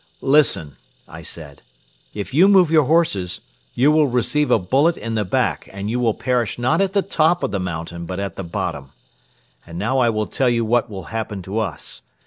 "Listen," I said. "If you move your horses, you will receive a bullet in the back and you will perish not at the top of the mountain but at the bottom. And now I will tell you what will happen to us.